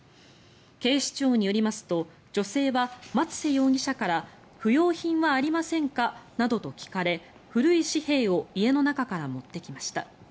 警視庁によりますと女性は松瀬容疑者から不用品はありませんかなどと聞かれ古い紙幣を家の中から持ってきました。